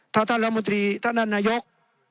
ถ้าท่านลัยนายก